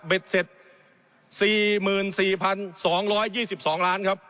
เบ็ดเสร็จสี่หมื่นสี่พันสองร้อยยี่สิบสองล้านครับ